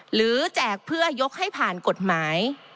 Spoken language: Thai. แจกเพื่อยกให้ผ่านกฎหมาย